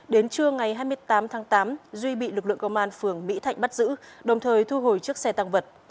đến trưa ngày hai mươi tám tháng tám duy bị lực lượng công an phường mỹ thạnh bắt giữ đồng thời thu hồi chiếc xe tăng vật